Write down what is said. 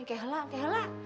eh kehala kehala